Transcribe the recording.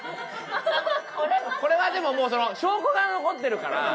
これはでも証拠が残ってるから。